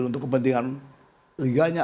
untuk kepentingan liganya